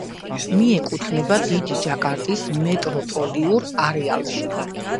მიეკუთვნება დიდი ჯაკარტის მეტროპოლიურ არეალში.